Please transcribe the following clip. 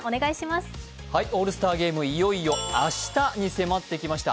オールスターゲーム、いよいよ明日に迫ってきました。